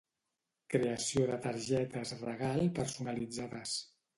Creació de targetes regal personalitzades